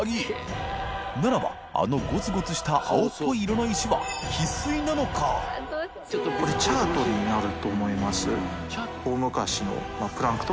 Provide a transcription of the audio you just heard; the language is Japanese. あのゴツゴツした青っぽい色の石は小河原さん）になると思います。